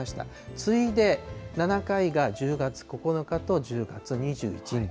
次いで７回が１０月９日と１０月２１日。